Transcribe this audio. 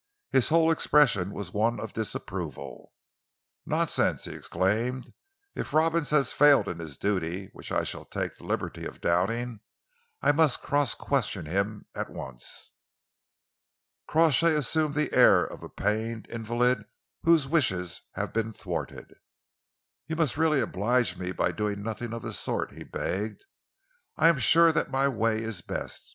His whole expression was one of disapproval. "Nonsense!" he exclaimed. "If Robins has failed in his duty, which I still take the liberty of doubting, I must cross question him at once." Crawshay assumed the air of a pained invalid whose wishes have been thwarted. "You must really oblige me by doing nothing of the sort," he begged. "I am sure that my way is best.